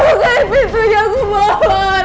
tukarin pintunya aku mohon